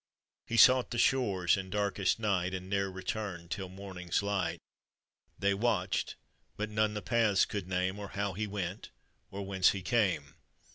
He sought the shores in darkest night, And ne'er returned till morning's light. They watched, but none the paths could name, •Or how he went, or whence he came.